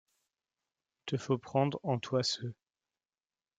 Te faut prendre en toi ce.